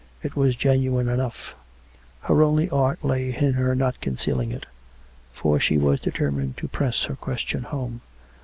It was genuine enough; her only art lay in her not concealing it; for she was determined to press her question home.